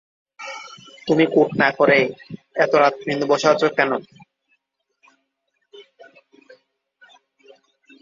এ সকল ধারণা কতগুলো সুনির্দিষ্ট স্থানের ঐতিহাসিক ও ভৌগোলিক বিশেষত্ব শনাক্তকরণের পাশাপাশি বস্তুগত সামাজিক অনুশীলনের সাথে সম্পর্ক স্থাপন করে।